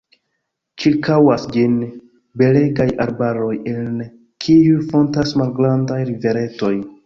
Ĉirkaŭas ĝin belegaj arbaroj, en kiuj fontas malgrandaj riveretoj.